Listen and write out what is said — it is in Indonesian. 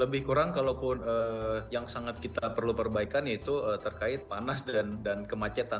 lebih kurang kalaupun yang sangat kita perlu perbaikan yaitu terkait panas dan kemacetan